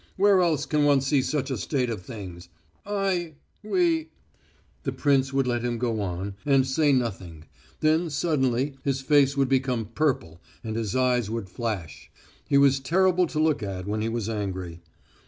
Where else can one see such a state of things? I ... we ..." The prince would let him go on, and say nothing, then suddenly his face would become purple and his eyes would flash he was terrible to look at when he was angry.